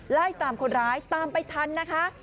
ไล่ตามคนร้ายตามไปทันนะคะ